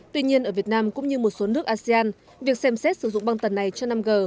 tuy nhiên ở việt nam cũng như một số nước asean việc xem xét sử dụng băng tần này cho năm g